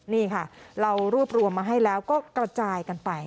นี่ค่ะเรารวบรวมมาให้แล้วก็กระจายกันไป